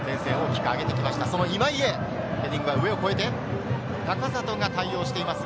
その今井へ、ヘディングは上を超えて、仲里が対応しています。